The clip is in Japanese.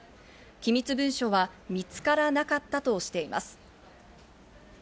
機密文書は見つからなかったとしています。